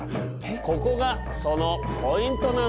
ここがそのポイントなのよ。